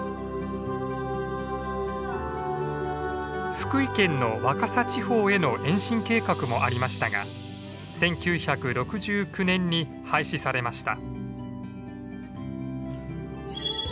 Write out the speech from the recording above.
福井県の若狭地方への延伸計画もありましたが１９６９年に廃止されました。